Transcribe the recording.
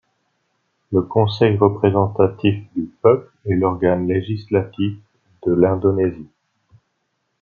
Le Conseil représentatif du peuple est l'organe législatif de l'Indonésie.